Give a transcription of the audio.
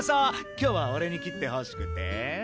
今日はおれに切ってほしくて？